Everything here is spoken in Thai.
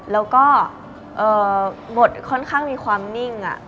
แล้วก็บทค่อนข้างมีความนิ่ง